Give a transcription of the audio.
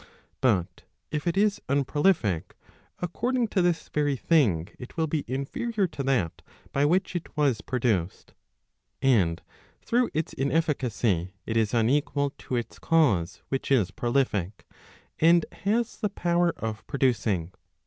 But if it is unpro lific, according to this very thing it will be inferior to that by which it was produced. And through its inefficacy it is unequal to its cause which is prolific, and has the power of producing.